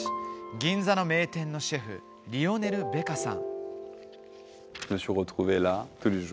銀座の名店のシェフリオネル・ベカさん。